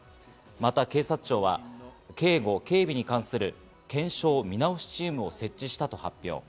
また警察庁は警護・警備に関する検証・見直しチームを設置したと発表。